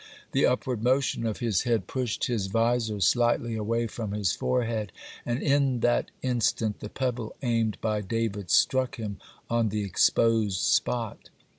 The upward motion of his head pushed his visor slightly away from his forehead, and in that instant the pebble aimed by David struck him on the exposed spot.